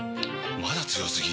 まだ強すぎ？！